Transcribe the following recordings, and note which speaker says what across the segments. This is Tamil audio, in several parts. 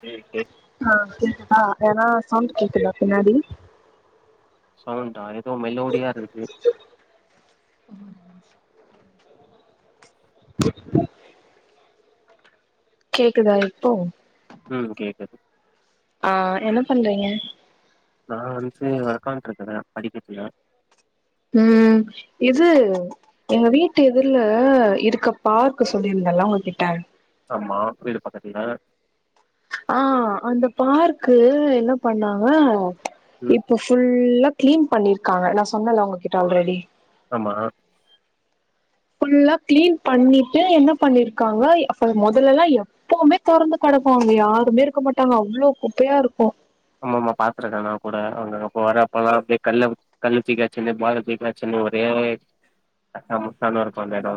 Speaker 1: சேரி கேக்
Speaker 2: ஆ கேக்குதா எதனா சவுண்ட் கேக்குதா பின்னாடி
Speaker 1: சவுண்டா ஏதோ மெலோடியா இருக்குது
Speaker 2: ஒம்பது மாசோ கேக்குதா இப்போ
Speaker 1: ம் கேக்குது
Speaker 2: ஆ என்ன பண்றீங்க
Speaker 1: நா வந்து ஒக்காந்ட்டு இருக்குறே படிக்கட்ல
Speaker 2: ம் இது எங்க
Speaker 1: ம்
Speaker 2: வீட்டு எதிர்ல இருக்க பார்க் சொல்லியிருந்தேல்ல உங்க கிட்ட
Speaker 1: ஆமா வீடு பக்கத்துல
Speaker 2: ஆ அந்த பார்க்கு என்ன பண்ணாங்க
Speaker 1: ம்
Speaker 2: இப்போ ஃபுல்லா க்ளீன் பண்ணி இருக்காங்க நா சொன்னேல்ல உங்ககிட்ட ஆல்ரெடி
Speaker 1: ஆமா
Speaker 2: ஃபுல்லா க்ளீன் பண்ணிட்டு என்ன பண்ணிருக்காங்க அப்ப மொதல்லல்லா எப் எப்பவுமே தெறந்து கெடக்கு அங்க யாருமே இருக்க மாட்டாங்க அவ்ளோ குப்பையா இருக்கு
Speaker 1: ஆமா ஆமா பாத்துருக்கே நா கூட அங்க அப்ப வரப்பலா அப்டியே கல்ல கல்ல தூக்கி அட்ச்ச மாரி பால தூக்கி அட்ச்ச மாரி ஒரே கச்சா முச்சானு இருக்கு அந்த எடோ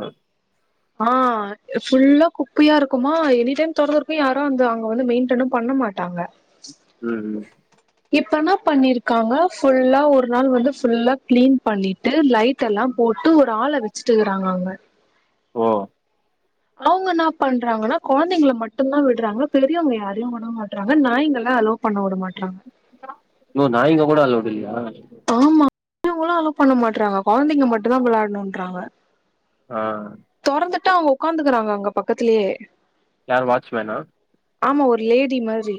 Speaker 2: ஆ அ ஃபுல்லா குப்பையா இருக்குமா எனி டைம் தொறந்து இருக்கு யாரு வந்து அங்க வந்து மெயின்டனு பண்ண மாட்டாங்க
Speaker 1: ம் ம்
Speaker 2: இப்பென்ன பண்ணிருக்காங்க ஃபுல்லா ஒரு நாள் வந்து ஃபுல்லா கிளீன் பண்ணிட்டு லைட் லைட்டெல்லா போட்டு ஒரு ஆள வச்சுட்டு இருக்றாங்க அங்க
Speaker 1: ஓ
Speaker 2: அவுங்க என்ன பண்றாங்கன்னா கொழந்தைங்கள மட்டுந்தா விடுறாங்க பெரியவங்க யாரையு உட மாட்றாங்க நாய்ங்கல்லா அலோ பண்ண வுட மாட்டாங்க
Speaker 1: ஓ நாய்ங்க கூட அலோடு இல்லையா
Speaker 2: ஆமா அவங்களு அலோ பண்ண மாட்றாங்க கொழந்தைங்க மட்டுந்தா விளாட்ணுன்றாங்க
Speaker 1: ஆ
Speaker 2: தொறந்துட்டா அவுங்க உக்காந்துக்கறாங்க அங்க பக்கத்துலேயே
Speaker 1: யார் வாட்ச்மேனா
Speaker 2: ஆமா ஒரு லேடி மாரி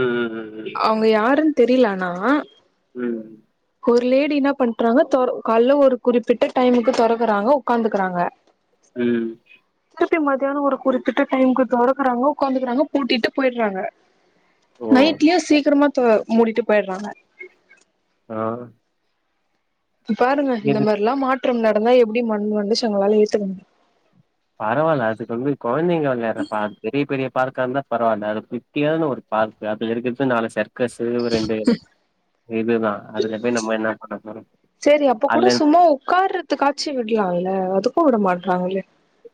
Speaker 1: ம் ம் ம் ம்
Speaker 2: அவுங்க யாருன் தெரில ஆனா
Speaker 1: ம்
Speaker 2: ஒரு லேடி என்ன பண்றாங்க தொற கால்ல ஒரு குறிப்பிட்ட டைமுக்கு தொறக்குறாங்க உக்காந்துக்றாங்க
Speaker 1: ம்
Speaker 2: ட்டுட்டு மத்தியான ஒரு குறிப்பிட்ட டைம்க்கு தொறக்குறாங்க உக்காந்துக்கறாங்க பூட்டிட்டு போயிர்றாங்க
Speaker 1: ஓ
Speaker 2: நைட்லயு சீக்கிரமா தொ மூடிட்டு போயிர்றாங்க
Speaker 1: ஆ
Speaker 2: பாருங்க
Speaker 1: எது
Speaker 2: இந்த மாரில்லா மாற்றம் நடந்தா எப்டி மன் மனுஷங்ளால ஏத்துக்க மு
Speaker 1: பரவால்ல அதுக்கு வந்து கொழந்தைங்க விளையாற பார்க் பெரிய பெரிய பார்க்கா இருந்தா பரவால்ல அது குட்டியான ஒரு பார்க் அதுல இருக்கறது நாலு சர் க்கசு ரெண்டு இதுதா அதுல போய் நம்ம என்னா பண்ண போறோ அதுல
Speaker 2: மோ உக்கார்ற த்துகாச்சி விட்லால்ல அதுக்கு விட மாட்றாங்ளே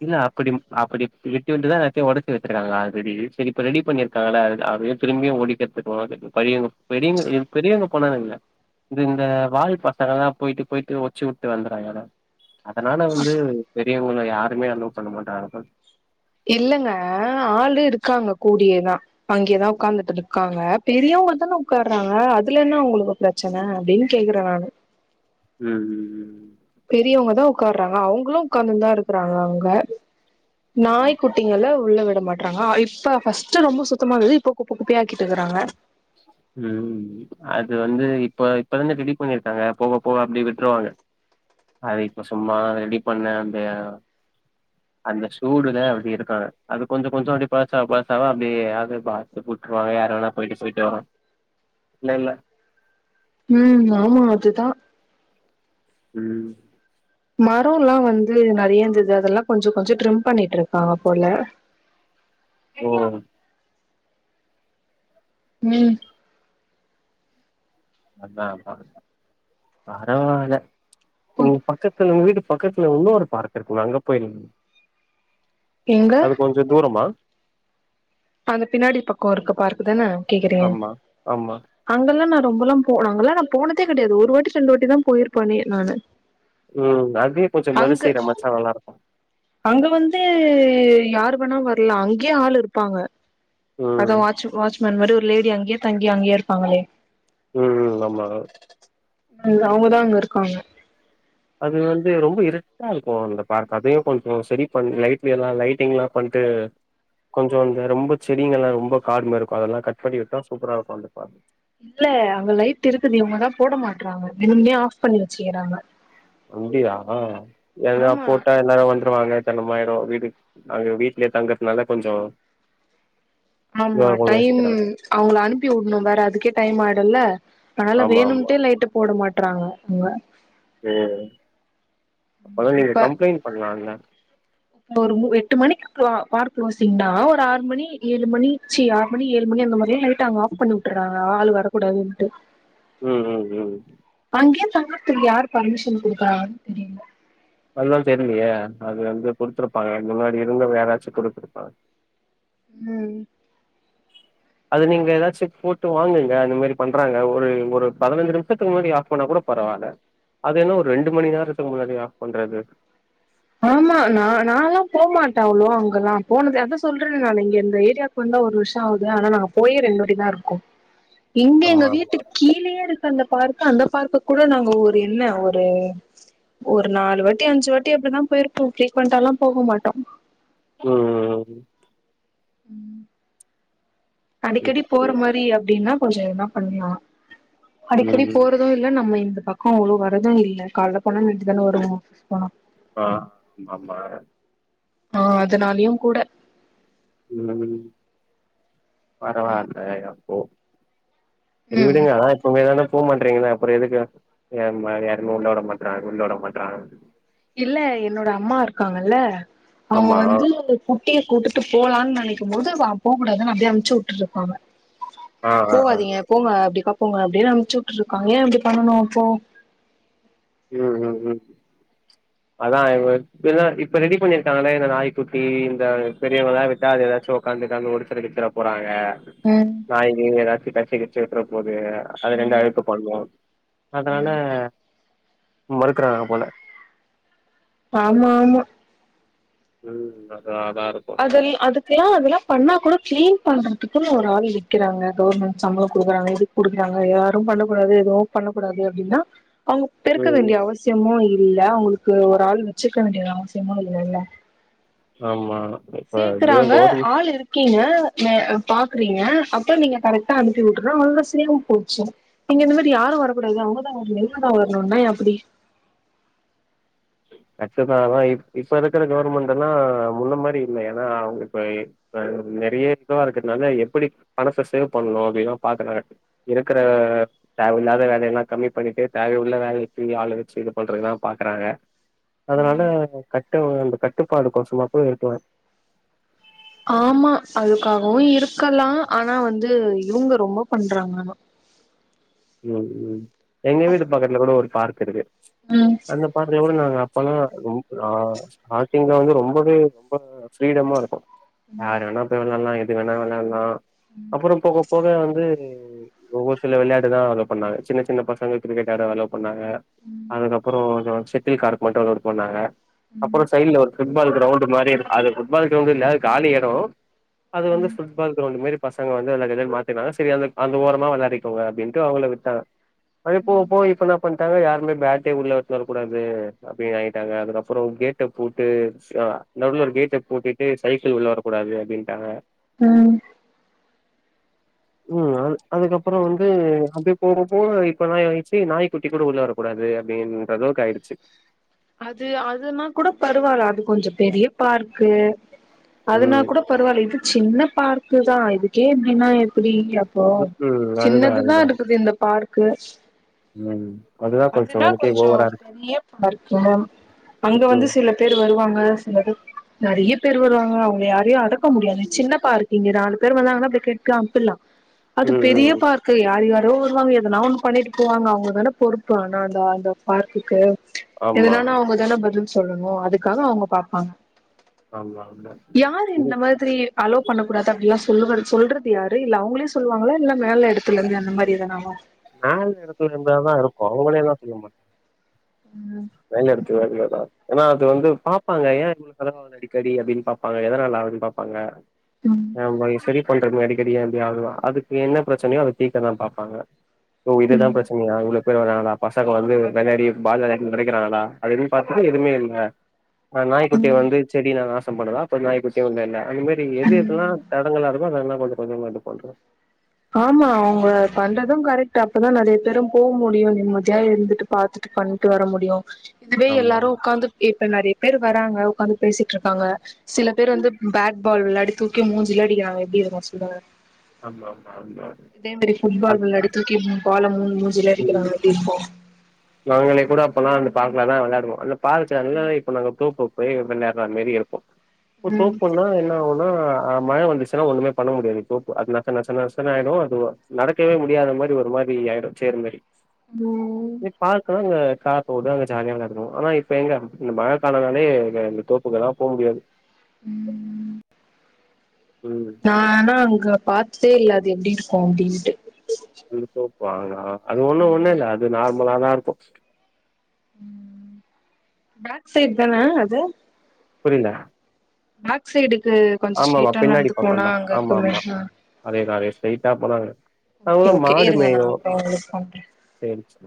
Speaker 1: இல்ல அப்டி அப்டி விட்டு விட்டுதா எல்லாத்தையு ஒடச்சி வச்சிருக்காங்க ஆல்ரெடி சரி இப்ப ரெடி பண்ணி க்கனால அ அதையு திரும்பியு ஒடிக்கிறதுக்கு வாங்க பயங்க பெரியவங்க ப் பெரியவங்க போனா எதுமில்ல இது இந்த வால் பசங்க தா போயிட்டு போயிட்டு ஒச்சு விட்டு வந்துறாங்க ஆனா அதனால வந்து பெரியவங்கள யாருமே அலோ பண்ண மாட்டார்கள்
Speaker 2: இல்லங்க ஆளு இருக்காங்க கூடயேதா அங்யேதா உக்காந்துட்டு இருக்காங்க பெரியவங்க தானே உக்காறாங்க அதுல என்ன அவுங்களு பிரச்சன அப்டினு கேக்றே நானு
Speaker 1: ம் ம் ம்
Speaker 2: பெரியவங்க தா உக்கார்றாங்க அவங்களு உக்காந்துந்தா இருக்றாங்க அங்க
Speaker 1: ம்
Speaker 2: நாய்க்கு ட்டிங்கள உள்ள விட மாட்றாங்க அ இப்ப ஃபஸ்ட்டு ரொம்ப சுத்தமா இந்தது இப்ப குப்ப குப்பையா ஆக்கிட்டுக்றாங்க
Speaker 1: ம் ம் ம் அது வந்து இப்ப இப்ப தான ரெடி பண்ணிருக்காங்க போக போக அப்டியே விட்ருவாங்க அது இப்ப சும்மா ரெடி பண்ண அந்த எ அந்த சூடுதா அப்டி இருக்கு அது கொஞ்ச கொஞ்ச அப்டி பழசாவ பழசாவ அப்டியே அது பா துக் உட்ருவாங்க யாரு வேணா போயிட்டு போயிட்டு வரோ இல்ல இல்ல
Speaker 2: ம் ஆமா அதுதா
Speaker 1: ம்
Speaker 2: மரோல்லா வந்து நெறைய இந்தது அதெல்லா கொஞ்ச கொஞ்ச ட்ரிம் பண்ணிட்ருக்காங்க போல
Speaker 1: ஓ
Speaker 2: ம்
Speaker 1: அதா அதா பரவால சூப்பர் பக்கத்துல உங்க வீட்டு பக்கத்துல உன்னொரு பார்க் இருக்கும்ல அங்க போய்
Speaker 2: எங்க
Speaker 1: அது கொ ஞ்ச தூரமா
Speaker 2: அந்த பின்னாடி இருக்க கோர்க்க பார்க் தான கேக்குறீங்க
Speaker 1: ஆமா ஆமா
Speaker 2: அங்கெல்லா நா ரொம்பலா போ அங்கெல்லா நா போனதே கெடையாது ஒரு வாட்டி ரெண்டு வாட்டி தா போயிருப்பனே நானு
Speaker 1: ம் அதயு கொஞ்சோ மறு
Speaker 2: அங்க
Speaker 1: சீரமச்சா நல்லாருக்கு
Speaker 2: அங்க வந்து யாரு வேணா வர்லா அங்கேயே ஆள் இருப்பாங்க ஒரு
Speaker 1: ம்
Speaker 2: வாட்ச் வாட்ச்மேன் மாரி ஒரு லேடி அங்கேயே தங்கி அங்கயே இருப்பாங்களே
Speaker 1: ம் ம் ஆமா
Speaker 2: இங்க அவுங்கதா அங்க இருக்காங்க
Speaker 1: அது வந்து ரொம்ப இருட்டா இருக்கு அந்த பார்க் அதையு கொஞ்சோ சரி பண் லைட்லெல்லா லைட்டிங் எல்லா பண்ட்டு கொஞ்சோ இந்த ரொம்ப செடிங்கெல்லா ரொம்ப காடுமா இருக்கு அதெல்லா கட் பண்ணி விட்டா சூப்பரா இருக்கு அந்த பார்
Speaker 2: இல்ல அங்க லைட் இருக்குது இவங்க தா போட மாட்றாங்க வேணும்னே ஆஃப் பண்ணி வச்சுக்கிறாங்க
Speaker 1: அப்டியா ஏனா
Speaker 2: ஆமா
Speaker 1: போட்டா எல்லாரு வந்துருவாங்க ஜனாமாயிரு வீடு அங்க வீட்லயே தங்கறதுனால கொஞ்சோ
Speaker 2: ஆமா
Speaker 1: இதுவா இருக்குனு
Speaker 2: டைம்
Speaker 1: யோசிக்கிறாங்க
Speaker 2: அவுங்கள அனுப்பி வுட்ணு வேற அதுக்கே டைம் ஆயிடுல அதனால
Speaker 1: ஆமா ஆமா
Speaker 2: வேணும்ட்டே லைட்டு போட மாட்றாங்க அவுங்க
Speaker 1: ம் ஆனா நீங்க கம்ப்ளைண்ட் பண்லால
Speaker 2: இங்க ஒரு மு எட்டு மணிக் க்ளோ பார் க்ளோசிங்னா ஒரு ஆறு மணி ஏழு மணி சி ஆறு மணி ஏழு மணி அந்த மாரிலா லைட் அவங்க ஆஃப் பண்ணி வுட்டறாங்க ஆள் வரக்கூடாதுன்ட்டு
Speaker 1: ம் ம் ம்
Speaker 2: அங்கே தங்கறத்துக்கு யார் ஃபர்மிஷன் குடுத்தான் தெரில
Speaker 1: அதல்லா தெர்லையே அது வந்து குடுத்துருப்பாங்க முன்னாடி இருந்தவங்க யாராச்சு குடுத்துருப்பாங்க
Speaker 2: ம்
Speaker 1: அது நீங்க எதாச்சு போட்டு வாங்குங்க அந்த மாரி பண்றாங்க ஒரு ஒரு பதினஞ்சு நிமிஷத்துக் முன்னாடி ஆஃப் பண்ண கூட பரவால அது என்ன ஒரு ரெண்டு மணி நேரத்துக் முன்னாடி ஆஃப் பண்றது
Speaker 2: ஆமா நா நாலா போமாட்டே அவ்ளோவா அங்கல்லா போனது அதா சொல்றேன நானு இங்க இந்த ஏரியா க்கு வந்தா ஒரு வருஷோ ஆவுது ஆனா நாங்க போயே ரெண்டு வாட்டி தா இருக்கு இங்க எங்க
Speaker 1: ஆமாமா.
Speaker 2: வீட்டு கீ கீழயே இருக்கு அந்த பார்க் அந்த பார்க்குக் கூட நாங்க ஒரு என்ன ஒரு ஒரு நாலு வாட்டி அஞ்சு வாட்டி அப்டிதா போயிருப்போ ஃப்ரீக்வன்ட்டல்லா போக மாட்டோ
Speaker 1: ம் ம் ம்
Speaker 2: ம் அடிக்கடி
Speaker 1: புரியுது,
Speaker 2: போற
Speaker 1: புரியுது.
Speaker 2: மாரி அப்டின்னா கொஞ்சொ எதனா பண்லா
Speaker 1: ம்.
Speaker 2: அடிக்கடி
Speaker 1: ம்.
Speaker 2: போற து இல்ல நம்ம இந்த பக்கோ அவ்ளோ வரது இல்ல காலைல போனா நைட்டு தானே வருவோ போனோ
Speaker 1: ப ம் ஆமா
Speaker 2: ஆ அதுனாலயு கூட
Speaker 1: ம்
Speaker 2: ம்
Speaker 1: பரவால்லை அப்போ செரி
Speaker 2: ம்
Speaker 1: விடுங்க ஆச் உங்க இதனா போ மாற்றீங்கன்னா அப்பறோ எதுக்கு யாரும யாருமே உள்ள வுட மாட்றாங்க உள்ள வுட மாட்றாங்க
Speaker 2: இல்ல என்னோட அம்மா இருக்காங்கல்ல அவங்க
Speaker 1: ஆமா.
Speaker 2: வந்து குட்டிய கூட்டுட்டு போலான்னு நெனைக்கும் போது அவ அப் போகக்கூடாதுன் அப்டியே அமிச்சு வுட்டுருக்காங்க
Speaker 1: ஆ, ஆ, ஆ.
Speaker 2: போவாதீங்க போங்க அப்டிக்கா போங்க அப்டின்னு அமிச்சு வுட்டுருக்காங்க ஏ அப்டி பண்ணனு அப்போ
Speaker 1: ம் ம் ம் அதா இவக இப்பதா இப்ப ரெடி பண்ணிருக்காங்கள இந்த நாய்க்குட்டி இந்த பெரியவகளா விட்டா அது எதாச்சு கண்டுக்காம ஒடிச்சுட கிடிச்சுட போறாங்க
Speaker 2: ம்
Speaker 1: நாய் கிய் எதாச்சு கடிச்சு கிடிச்சு விட்ற போது அது ரெண்டு
Speaker 2: ம்
Speaker 1: அழுக்கு பண்ணு அதனால
Speaker 2: ம்
Speaker 1: மறுக்குறாக போல
Speaker 2: ஆமாமா
Speaker 1: ம் அதா அதா இருக்கு
Speaker 2: தல் அதுக்குலா அதலா பண்ணா கூட கிளீன் பண்றதுக்குன்னு ஒரு ஆள் நிக்கிறாங்க கவர்மெண்ட் சம்பளோ குடுக்குறாங்க இதுக் குடுக்குறாங்க யாரும் பண்ணக் கூடாது எதுவு பண்ணக்கூடாது அப்டின்னா அவுங்க பெருக்க
Speaker 1: ம்
Speaker 2: வேண்டிய அவசியமு இல்ல அவுங்களுக்கு ஒரு ஆள் வெச்சுக்க வேண்டிய அவசியமு இல்லல
Speaker 1: ஆமா இப்ப எப்டியோ
Speaker 2: சேக்குறாங்க
Speaker 1: கவர்மெண்ட்
Speaker 2: ஆள் இரு கீங்க த பாக்குறீங்க அப்பற் நீங்க கரெக்டா அனுப்பி வுட்டுறா அவ்ள்தா செரியாம் போச்சு நீங்க இந்த மாரி யாரு வரக்கூடாது அவுங்கதா வர்ணு இவுங்கதா வர்ணுனா எப்படி
Speaker 1: எக்சஸ்சாதா இ இப்ப இருக்குற கவுர்மெண்டெல்லா முன்ன மாரி இல்ல ஏனா அவுங்க இப்ப இப்ப நெறைய இதுவா இருக்குற்னால எப்படி பணத்த சேவ் பண்ணோ அப்டில்லா பாக்குறாங்க இருக்குற தேவயில்லாத வேலயெல்லா கம்மி பண்ணிட்டு தேவயுள்ள வேலைக்கி ஆள வெச்சு இது பண்றதுதா பாக்கறாங்க அதனால கட்ட அந்த கட்டுப்பாடு கொசமாப்ப இருக்கலா
Speaker 2: ஆமா அதுக்காகவு இருக்கலா ஆனா வந்து இவுங்க ரொம்ப பண்றாங்கங்கோ
Speaker 1: ம் ம் எங்க வீட்டு பக்கத்துல கூட ஒரு பார்க் இருக்கு
Speaker 2: ம்
Speaker 1: அந்த பார்க்ல கூட நாங்க அப்பல்லா ரொம் அ ஸ்டாட்டிங்லா வந்து ரொம்பவே ரொம்ப ஃப்ரீடமா இருக்கு யாரு வேணா போய் விளால்லா எது வேணா விளால்லா அப்பறோ போக போக வந்து ஒவ்வொரு சில விளயாட்டுதா அலோ பண்ணாங்க சின்ன சின்ன பசங்க கிரிக்கெட் ஆட அலோ பண்ணாங்க அதுக்கப்பறோ [unintelligible] செட்டில் கார்க் மட்டு அலோட் பண்ணாங்க அப்பறோ சைட்ல ஒரு ஃபுட்பால் க்ரௌண்டு மாரி அது ஃபுட்பால் க்ரவுண்டில்ல அத் காலி எடோ அது வந்து ஃபுட்பால் க்ரௌண்ட் மேரி பசங்க வந்து விளாடி விளாடி மாத்தினால செரி அந்த அந்த ஓரமா விளாடிக்கோங்க அப்டின்ட்டு அவுங்கள விட்டாங்க அப்யே போவோ போலோ இப்ப இன்னா பண் ட்டாங்க யாருமே பேட்டே உள்ள எத்துன் வர கூடாது அப்டியே ஆயிட்டாங்க அதுக்கப்புறோ கேட்ட பூட்டு சா நடுவுல ஒரு கேட்ட பூட்டிட்டு சைக்கிள் உள்ள வரக்கூடாது அப்டின்ட்டாங்க
Speaker 2: அ
Speaker 1: ம் அ அதுக்கப்புறோ வந்து அப்டே போகோ போகோ இப்ப இன்னா ஆயிட்ச்சி நாய்குட்டி கூட உள்ள வரக்கூடாது அப்டின்ற அளவுக்கு ஆயிடிச்சு
Speaker 2: அது அதுனா கூட பரவால்ல அது கொஞ்ச பெரிய பார்க்கு அதனா
Speaker 1: ம்
Speaker 2: கூட பரவால்ல இது சின்ன பார்க்குதா இதுக்கே இப்டின்னா எப்பிடிங்கிறாங்
Speaker 1: ம்
Speaker 2: [unintelligible]
Speaker 1: அதுதா
Speaker 2: சின்னதுதா
Speaker 1: அதுதா
Speaker 2: இருக்குது இந்த பார்க்கு
Speaker 1: ம் அது
Speaker 2: அதுனா கொஞ்சோ பெரிய பார்க்கு அங்க வந்து
Speaker 1: ம்
Speaker 2: சில பேர் வருவாங்க சில பேர் நறைய பேரு வருவாங்க அவுங்க யாரையு அடக்க முடியாது சின்ன பார்க்கு இங்க நாலு பேரு வருவாங்கன்னா அப்டியே கேட்டு அம்ப்பில்லா அது
Speaker 1: ம்
Speaker 2: பெரிய
Speaker 1: ம்
Speaker 2: பார்க்கு யார் யாரோ வருவாங்க எதனா ஒண்ணு பண்ணிட்டு போவாங்க அவுங்கதானே பொறுப் ப்பு ஆனா அந்த அந்த பார்க்குக்கு
Speaker 1: ஆமா
Speaker 2: எதுனானா அவுங்க தான பதில் சொல்லனோ அதுக்காக அவுங்க பாப்பாங்க
Speaker 1: ஆமா ஆமா
Speaker 2: யாரு இந்த
Speaker 1: [unintelligible]
Speaker 2: மாதிரி அலோ பண்ணக் கூடாது அப்டிலா சொல்லுவரு சொல்றது யாரு இல்ல அவுங்களே சொல்லுவாங்களா இல்ல மேல எடுத்துலெந்து அந்த மாரி எதானவா
Speaker 1: மேல எடத்துலெந்தாதா இருக்கு அவுங்களேல்லா சொல்லிற மாட்
Speaker 2: ம்
Speaker 1: மேல் எடத்துலர்ந்துதா ஏனா அது வந்து பாப்பாங்க ஏ இவுங்ளுக்கலா அடிக்கடி அப்டின் பாப்பாங்க எதனால ஆவுது பாப்பாங்க
Speaker 2: ம்
Speaker 1: அ மாரி செரி பண்ற ம அடி க்கடி ஏ இப்டி ஆவுது அதுக்கு என்ன ப்ரச்சனயோ அத தீக்கதா பாப்பாங்க ஒ இதுதா
Speaker 2: ம்
Speaker 1: ப்ரெச்சனயா [unintelligible] கிறனாலதா பசங்க வந்து வெளாடி பால் வெளா ம் ஒடைக்கிறாங்களா அப்டி இப்டின் பாத்துட்டு எதுமே இல்ல ஆ நாய்குட்ட
Speaker 2: ம்
Speaker 1: வந்து செடிய நாசம் பண்ணுதா இப்ப நாய்க் குட்டியு இல்லேல அந்த மேரி எது
Speaker 2: ம்
Speaker 1: எதுல்லா தடங்களே இருகோ அதெல்லா கொஞ்ச கொஞ்சமா இது போண்றே
Speaker 2: ஆமா அவுங்கே பண்றதே கரெக்ட்டு அப்பதா நறைய பேரு போ முடியு நிம்மதியா இருந்துட்டு பாத்து பண்ட்டு வர முடியு இதுவே
Speaker 1: ஆமா
Speaker 2: எல்லாரு உக்காந்து இப்ப நறிய பேர் வராங்க உக்காந்து பேசிட்ருக்காங்க சில பேர் வந்து பேட் பால் விள்ளாடி தூக்கி மூஞ்லே அடிக்கிறங்க எப்டி இருக்கு சொல்லுங்க
Speaker 1: ஆமா மா ஆமா
Speaker 2: அதே மெரி ஃபுட்பால்
Speaker 1: அது
Speaker 2: வெள்ளாடி தூக்கி மூண் பால மு மூஞ்சிலே
Speaker 1: ம்
Speaker 2: அடிக்கிறாங்க எப்டி இருக்கு
Speaker 1: நாங்களே கூட அப்பலா அந்த பார்க்கல தா வெள்ளாடுவே அந்த பார் ஜன்னலே இப்ப நாங்க தோப்போ போயி வெள்ளாற்றா மேரி இருக்கு இப்போ
Speaker 2: ம்
Speaker 1: தோப்புன்னா என்னாவு ஆ மழ வந்துச்சுன்னா ஒன்னுமே பண்ண முடியாது தோப்பு அது நசநச நசன்னு ஆயிடு அது ஒ நடக்கவே முடியாத மாரி ஒரு மாரி ஆயிடு சேர் மேரி
Speaker 2: ஓ
Speaker 1: இ பார்க்க அங்க கார் போது அங்க ஜால்யா விள்ளான்டோ ஆனா இப்ப எங்க இந்த மழை காலனாலே தோ உள்ளலா போ முடியாது
Speaker 2: ம்
Speaker 1: ம்
Speaker 2: நா ஆனா அங்க பாத்தே இல்ல அது எப்டி இருக்கு அப்டின்ட்டு
Speaker 1: நீங் சோ பாருங்ள அது ஒன்னு ஒன்னு இல்ல அது நார்மலா தா இருக்கு
Speaker 2: ம் பேக் சைட் தான அது
Speaker 1: புரிய்ல
Speaker 2: பேக் சைடுக்கு கொஞ்ச
Speaker 1: ஆமாமா
Speaker 2: ஸ்டீட்டா
Speaker 1: பின்னாடி
Speaker 2: நட்ந்து போனா
Speaker 1: பக்கந்தா
Speaker 2: அங்க
Speaker 1: ஆமா
Speaker 2: இருக்குமோ
Speaker 1: ஆமா
Speaker 2: அ
Speaker 1: அதேதா அதே ஸ்டைடா போனா
Speaker 2: கே ஓகே இருங்க நா அப்றோ ஒங்ளுக் பண்ற
Speaker 1: சேரி ச்